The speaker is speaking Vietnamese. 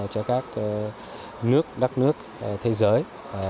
cho các nước đất nước thế giới